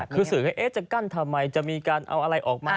คือสื่อก็จะกั้นทำไมจะมีการเอาอะไรออกมา